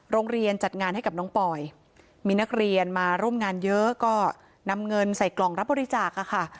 โรงเรียนจัดงานให้กับน้องปอยมีนักเรียนมาร่วมงานเยอะก็นำเงินใส่กล่องรับบริจาคค่ะ